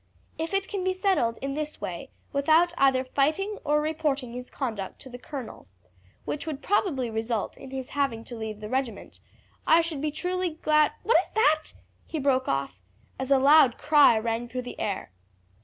If it can be settled in this way without either fighting or reporting his conduct to the colonel, which would probably result in his having to leave the regiment, I should be truly glad What is that?" he broke off, as a loud cry rang through the air.